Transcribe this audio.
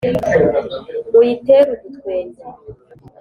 muyitere udutwenge